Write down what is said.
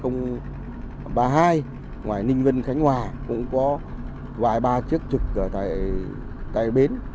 ngoài ninh vân khánh hòa cũng có vài ba chiếc trực ở tại bến